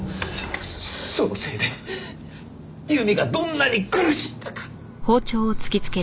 そのせいで由美がどんなに苦しんだか。